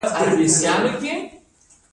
آیا رسامي هنر دی؟